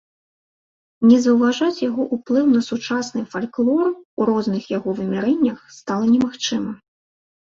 Не заўважаць яго ўплыў на сучасны фальклор у розных яго вымярэннях стала немагчыма.